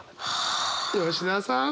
吉澤さん。